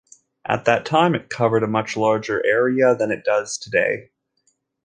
At that time, it covered a much larger area than it does today.